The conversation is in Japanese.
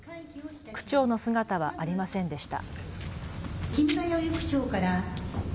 区長の姿はありませんでした。